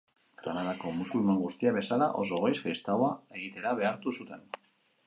Granadako musulman guztiak bezala, oso goiz, kristaua egitera behartu zuten.